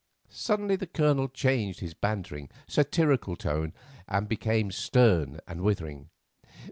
Suddenly the Colonel changed his bantering, satirical tone, and became stern and withering.